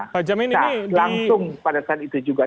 nah langsung pada saat itu juga